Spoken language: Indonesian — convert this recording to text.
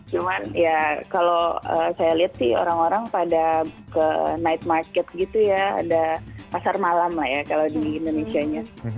cuman ya kalau saya lihat sih orang orang pada ke night market gitu ya ada pasar malam lah ya kalau di indonesia nya